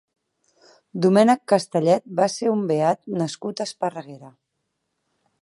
Domènec Castellet va ser un beat nascut a Esparreguera.